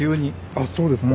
あっそうですか。